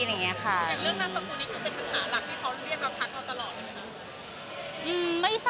เรื่องนามสกุลนี้เป็นปัญหาหลักที่เค้าเรียกแล้วทักเค้าตลอดหรือเปล่า